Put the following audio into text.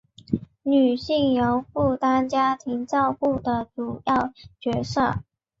女性仍负担家庭照顾的主要角色